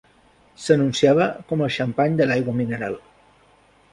S'anunciava com el xampany de l'aigua mineral.